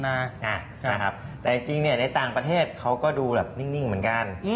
แต่จริงเนี่ยในต่างประเทศเขาก็ดูแบบนิ่งเหมือนกัน